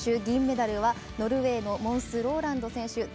銀メダルはノルウェーのモンス・ローランド選手。